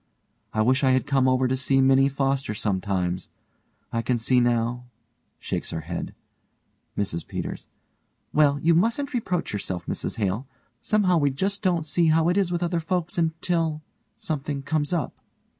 I wish I had come over to see Minnie Foster sometimes. I can see now (shakes her head) MRS PETERS: Well, you mustn't reproach yourself, Mrs Hale. Somehow we just don't see how it is with other folks until something comes up.